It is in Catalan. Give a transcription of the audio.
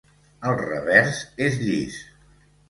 El revers és llis.